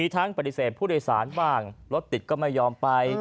ทั้งปฏิเสธผู้โดยสารบ้างรถติดก็ไม่ยอมไป